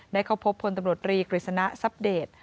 เข้าพบพลตำรวจรีกฤษณะทรัพเดต